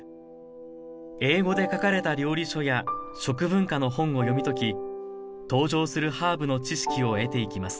英語で書かれた料理書や食文化の本を読み解き登場するハーブの知識を得ていきます。